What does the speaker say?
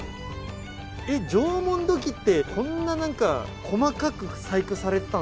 えっ縄文土器ってこんな何か細かく細工されてたのか。